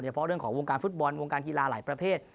เพราะเรื่องของวงการฟุตบอลวงการกีฬาหลายประเภท